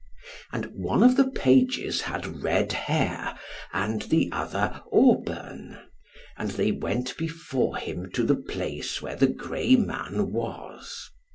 And one of the pages had red hair, and the other auburn. And they went before him to the place where the grey man was.